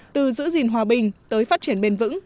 từ giữ gìn hòa bình tới phát triển bền vững